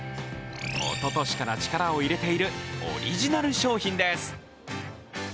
おととしから力を入れているオリジナル商品です。